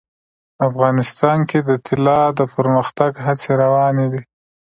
افغانستان کې د طلا د پرمختګ هڅې روانې دي.